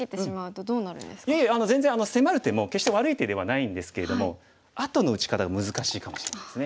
いえいえ全然迫る手も決して悪い手ではないんですけれどもあとの打ち方が難しいかもしれないですね。